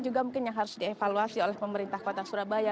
juga mungkin yang harus dievaluasi oleh pemerintah kota surabaya